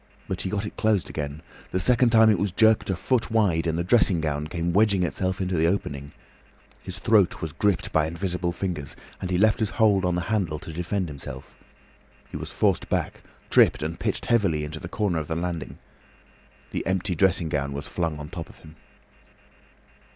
But he got it closed again. The second time it was jerked a foot wide, and the dressing gown came wedging itself into the opening. His throat was gripped by invisible fingers, and he left his hold on the handle to defend himself. He was forced back, tripped and pitched heavily into the corner of the landing. The empty dressing gown was flung on the top of him.